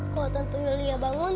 kalo tante yulia bangun